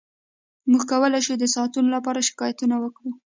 موږ کولی شو د ساعتونو لپاره شکایتونه وکړو